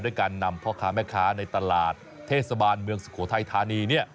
การนำพ่อค้าแม่ค้าในตลาดเทศบาลเมืองสุโขทัยธานี